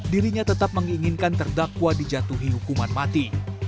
dirinya tetap menginginkan terdakwa dijatuhi hukuman mati